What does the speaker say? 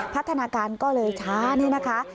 พัฒนาการก็เลยช้านี่นะคะ